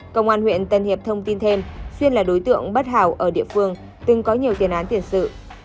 công an huyện tân hiệp thông tin thêm xuyên là đối tượng bất hảo ở địa phương từng có nhiều tiền án tiền sự